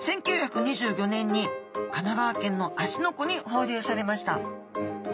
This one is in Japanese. １９２５年に神奈川県の芦ノ湖に放流されました。